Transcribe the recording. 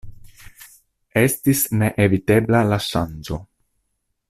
Estis ne evitebla la ŝanĝo.